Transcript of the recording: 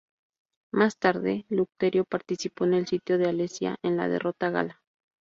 Más tarde, Lucterio participó en el sitio de Alesia y en la derrota gala.